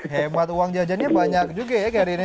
hemat uang jajannya banyak juga ya garin ya